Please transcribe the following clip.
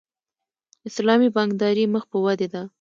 اسلامي بانکداري مخ په ودې ده